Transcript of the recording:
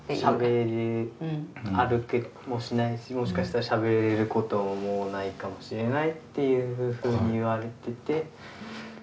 歩けもしないしもしかしたらしゃべることもないかもしれないっていうふうに言われてて。